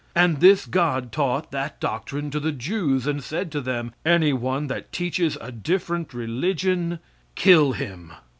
And this god taught that doctrine to the Jews, and said to them, "Any one that teaches a different religion, kill him!"